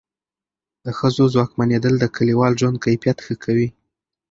د ښځو ځواکمنېدل د کلیوال ژوند کیفیت ښه کوي.